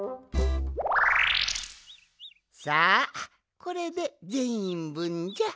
さあこれでぜんいんぶんじゃ。